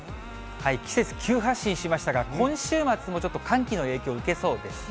季節急発進しましたが、今週末もちょっと寒気の影響を受けそうです。